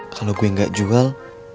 kalau gue gak jual